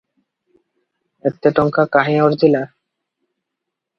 ଏତେ ଟଙ୍କା କାହିଁ ଅର୍ଜିଲା?